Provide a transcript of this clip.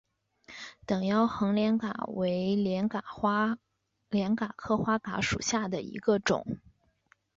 等腰横帘蛤为帘蛤科花蛤属下的一个种。